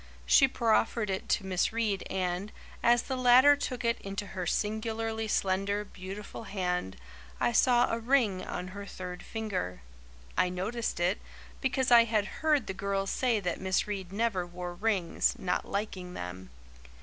She proffered it to Miss Reade and, as the latter took it into her singularly slender, beautiful hand, I saw a ring on her third finger. I noticed it, because I had heard the girls say that Miss Reade never wore rings, not liking them.